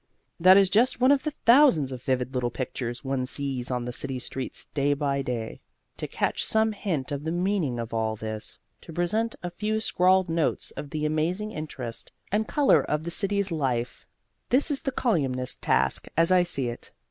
That is just one of the thousands of vivid little pictures one sees on the city streets day by day. To catch some hint of the meaning of all this, to present a few scrawled notes of the amazing interest and colour of the city's life, this is the colyumist's task as I see it.